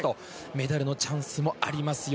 メダルのチャンスもありますよ。